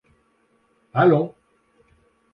Allons !